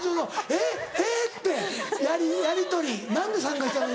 「えっ？」てやりとり何で参加したの？